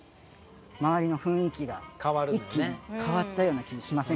周りの雰囲気が一気に変わったような気がしませんか？